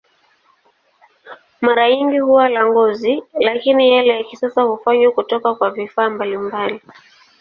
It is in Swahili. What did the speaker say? Mara nyingi huwa la ngozi, lakini yale ya kisasa hufanywa kutoka kwa vifaa mbalimbali.